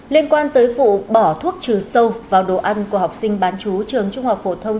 liên quan tới vụ bỏ thuốc trừ sâu vào đồ ăn của học sinh bán chú trường trung học phổ thông